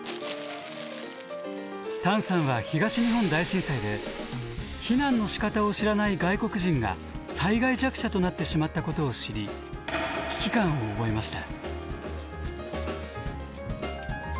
譚さんは東日本大震災で避難のしかたを知らない外国人が災害弱者となってしまったことを知り危機感を覚えました。